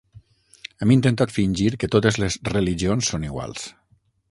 Hem intentat fingir que totes les religions són iguals.